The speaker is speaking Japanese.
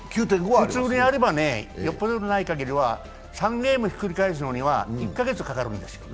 普通にやれば、よっぽどでない限りは３ゲームひっくり返すのには１カ月かかるんですよ。